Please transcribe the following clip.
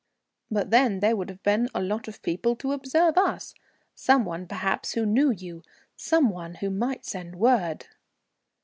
"But then there would have been a lot of people to observe us; some one, perhaps, who knew you, some one who might send word."